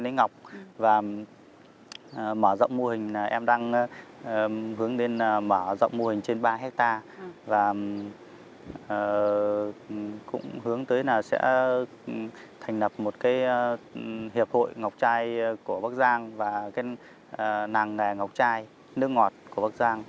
em đang nấy ngọc và mở rộng mô hình em đang hướng đến mở rộng mô hình trên ba hecta và cũng hướng tới là sẽ thành lập một cái hiệp hội ngọc chai của bắc giang và cái nàng nghề ngọc chai nước ngọt của bắc giang